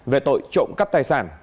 về tội trộm cắp tài sản